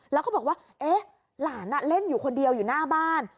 แล้วก็บอกว่าเอ๊ะหลานเล่นอยู่คนเดียวอยู่หน้าบ้าน